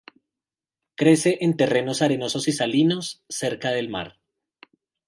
Crece en terrenos arenosos y salinos cerca del mar.